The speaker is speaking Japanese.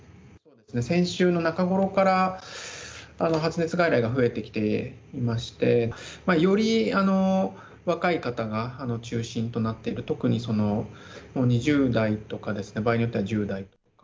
先週の中ごろから、発熱外来が増えてきていまして、より若い方が中心となって、特に２０代とかですね、場合によっては１０代。